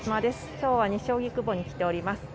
今日は西荻窪に来ております。